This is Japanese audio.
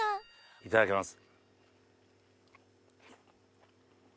いただきます。